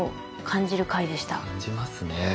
感じますね。